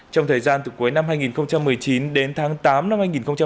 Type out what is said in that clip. trong thời gian từ cuối năm hai nghìn một mươi chín đến tháng tám năm hai nghìn hai mươi